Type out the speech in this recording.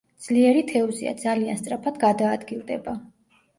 ძლიერი თევზია, ძალიან სწრაფად გადაადგილდება.